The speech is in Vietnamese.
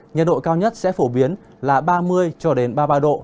nhiệt độ cao nhất sẽ phổ biến là ba mươi cho đến ba mươi ba độ